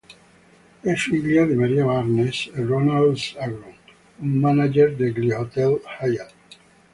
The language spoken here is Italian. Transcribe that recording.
È figlia di Maria Barnes e Ronald S. Agron, un manager degli hotel Hyatt.